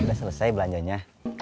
udah selesai belanja nya